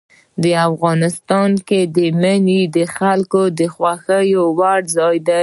افغانستان کې منی د خلکو د خوښې وړ ځای دی.